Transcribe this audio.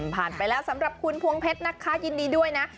ไปแล้วสำหรับคุณพวงเพชรนะคะยินดีด้วยนะ